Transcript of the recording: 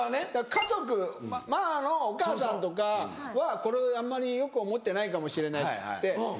家族ママのお母さんとかはこれをあんまりよく思ってないかもしれないっつって。